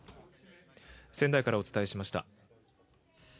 仙台からお伝えしました。